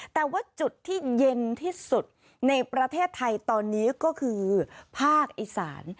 แต่ว่าจุดที่เย็นที่สุดในประเทศไทยตอนนี้ก็คือภาคอีสาน